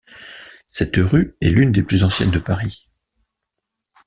Cette rue est l'une des plus anciennes de Paris.